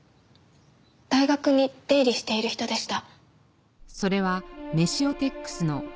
大学に出入りしている人でした。